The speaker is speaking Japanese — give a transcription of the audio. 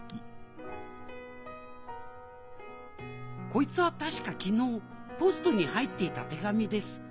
こいつぁ確か昨日ポストに入っていた手紙です。